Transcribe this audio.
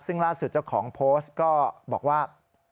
ซึ่งล่าสุดเจ้าของโพสต์ก็บอกว่า